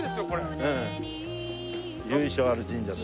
由緒ある神社で。